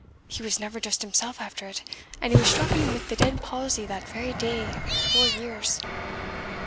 he was never just himsell after it, and he was strucken wi' the dead palsy that very day four years.